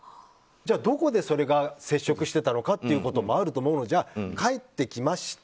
どこで接触していたのかということもあると思うのでじゃあ帰ってきました